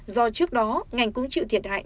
do trước đó ngành cũng chịu thiệt hại